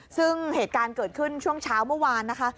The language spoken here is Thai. ซึ่งเหตุการณ์เกิดขึ้นช่วงเช้าเมื่อวานนะคะ